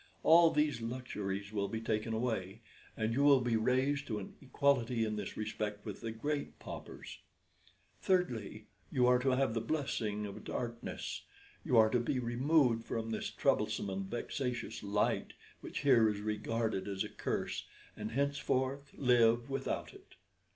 All these luxuries will be taken away, and you will be raised to an equality in this respect with the great paupers. "Thirdly, you are to have the blessing of darkness. You are to be removed from this troublesome and vexatious light, which here is regarded as a curse, and henceforth live without it.